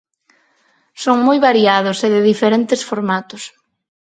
Son moi variados e de diferentes formatos.